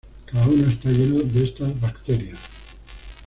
Cada uno está lleno de estas bacterias.